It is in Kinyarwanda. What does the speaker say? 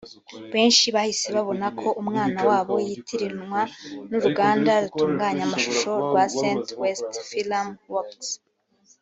benshi bahise babona ko umwana wabo yitiranwa n’uruganda rutunganya amashusho rwa Saint West FilmWorks